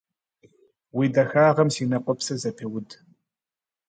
Уи дахагъэм си нэ къуэпсыр зэпеуд.